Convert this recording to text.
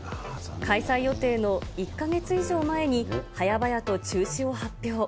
開催予定の１か月以上前に、早々と中止を発表。